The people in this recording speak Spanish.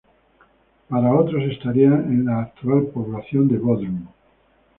Para otros estaría en la actual población de Bodrum.